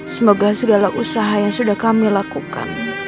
semoga segala usaha yang sudah kami lakukan